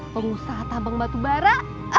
pengusaha tabang batu bara